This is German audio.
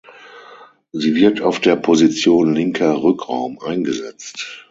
Sie wird auf der Position linker Rückraum eingesetzt.